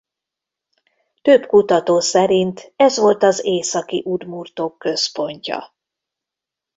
Több kutató szerint ez volt az északi udmurtok központja.